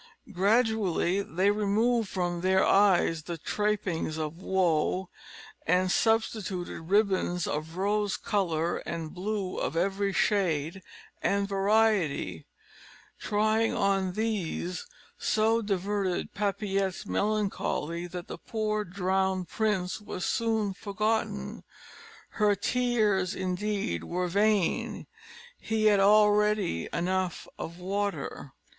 Gradually, they removed from her eyes the trappings of woe, and substituted ribbons of rose colour and blue of every shade and variety: trying on these, so diverted Papillette's melancholy, that the poor drowned prince was soon forgotten. Her tears indeed were vain; he had already enough of water.